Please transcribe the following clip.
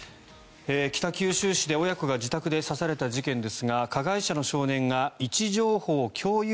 北九州市で親子が自宅で刺された事件ですが加害者の少年が位置情報共有